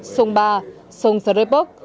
sông ba sông sờ rê bốc